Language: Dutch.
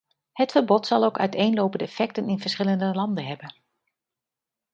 Het verbod zal ook uiteenlopende effecten in verschillende landen hebben.